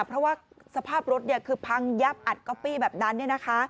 เพราะว่าสภาพรถคือพังยับอัดก๊อปปี้แบบนั้น